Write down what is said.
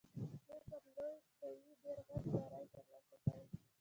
دوی پر لویې قوې ډېر غټ بری تر لاسه کړی.